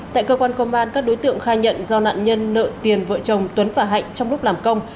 tại cơ quan công an các đối tượng khai nhận do nạn nhân nợ tiền vợ chồng tuấn và hạnh trong lúc làm công